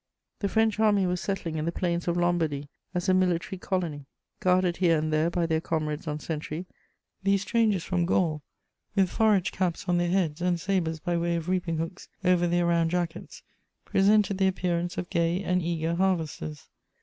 The French army was settling in the plains of Lombardy as a military colony. Guarded here and there by their comrades on sentry, these strangers from Gaul, with forage caps on their heads and sabres by way of reaping hooks over their round jackets, presented the appearance of gay and eager harvesters.